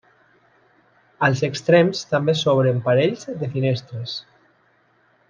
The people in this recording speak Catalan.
Als extrems també s'obren parells de finestres.